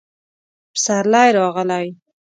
پسرلی راغلی